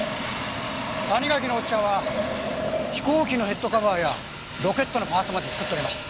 谷垣のおっちゃんは飛行機のヘッドカバーやロケットのパーツまで作っとりました。